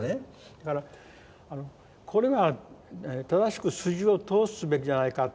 だからこれは正しく筋を通すべきじゃないか